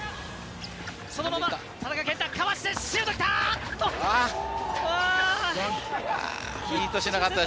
そのまま、田中健太、かわしてシュートきた！